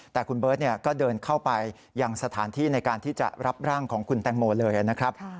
แต่คุณเบิร์ตก็เดินเข้าไปยังสถานที่ในการที่จะรับร่างของคุณแตงโมเลยนะครับ